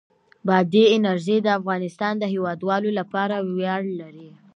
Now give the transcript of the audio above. بادي انرژي د افغانستان د هیوادوالو لپاره ویاړ دی.